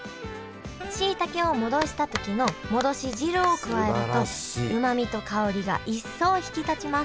しいたけを戻した時の戻し汁を加えるとうまみと香りが一層引き立ちます